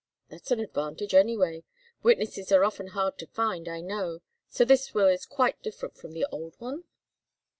"That's an advantage, anyway. Witnesses are often hard to find, I know. So this will is quite different from the old one?"